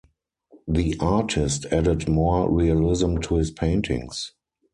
The artist added more realism to his paintings.